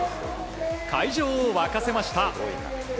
会場を沸かせました。